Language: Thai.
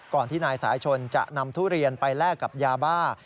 ที่นายสายชนจะนำทุเรียนไปแลกกับยาบ้า